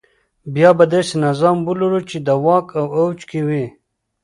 بیا به داسې نظام ولرو چې د واک په اوج کې وي.